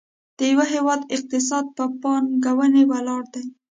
د یو هېواد اقتصاد په پانګونې ولاړ دی.